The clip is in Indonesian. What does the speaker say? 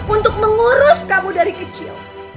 untuk mengurus kamu dari kecil